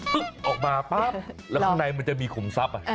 ออกมาปั๊บแล้วข้างในมันจะมีขุมทรัพย์